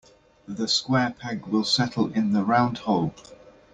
The square peg will settle in the round hole.